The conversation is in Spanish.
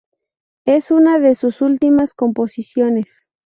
Es una de sus últimas composiciones.